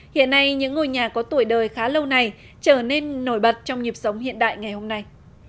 hiện nay những ngôi nhà có tuổi đời khá lâu này trở nên nổi bật trong nhịp sống hiện đại ngày hôm nay